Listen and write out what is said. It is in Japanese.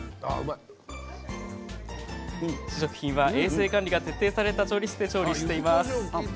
試食品は衛生管理が徹底された調理室で調理しています。